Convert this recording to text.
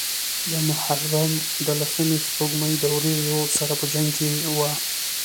د محرم د لسمې سپوږمۍ د وريځو سره پۀ جنګ وه